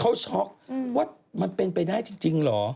เขาช็อกว่ามันเป็นไปได้จริงเหรอ